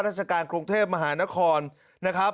ราชการกรุงเทพมหานครนะครับ